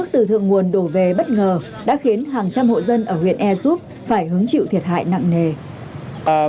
dựa nguồn đổ về bất ngờ đã khiến hàng trăm hộ dân ở huyện airsoft phải hứng chịu thiệt hại nặng nề